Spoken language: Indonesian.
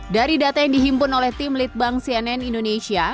dari data yang dihimpun oleh tim litbang cnn indonesia